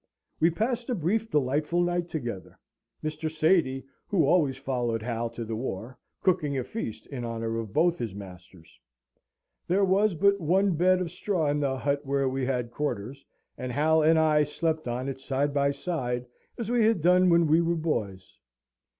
We passed a brief delightful night together: Mr. Sady, who always followed Hal to the war, cooking a feast in honour of both his masters. There was but one bed of straw in the hut where we had quarters, and Hal and I slept on it, side by side, as we had done when we were boys.